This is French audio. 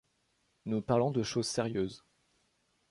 Nous parlons de choses sérieuses.